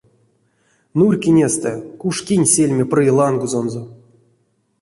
Нурькинестэ, куш кинь сельме пры лангозонзо.